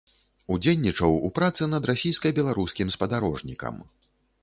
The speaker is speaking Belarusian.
Удзельнічаў у працы над расійска-беларускім спадарожнікам.